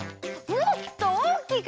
もっとおおきく！